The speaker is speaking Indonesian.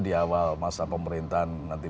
di awal masa pemerintahan nanti